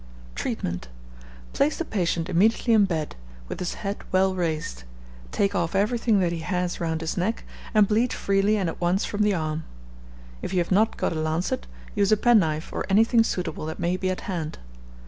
Treatment. Place the patient immediately in bed, with his head well raised; take off everything that he has round his neck, and bleed freely and at once from the arm. If you have not got a lancet, use a penknife or anything suitable that may be at hand.